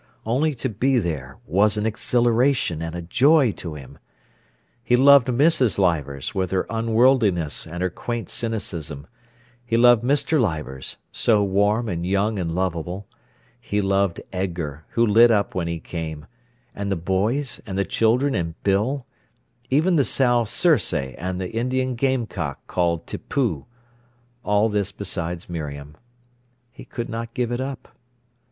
Only to be there was an exhilaration and a joy to him. He loved Mrs. Leivers, with her unworldliness and her quaint cynicism; he loved Mr. Leivers, so warm and young and lovable; he loved Edgar, who lit up when he came, and the boys and the children and Bill—even the sow Circe and the Indian game cock called Tippoo. All this besides Miriam. He could not give it up.